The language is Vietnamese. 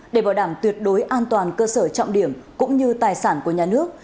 để bảo đảm tuyệt đối an toàn cơ sở trọng điểm cũng như tài sản của nhà nước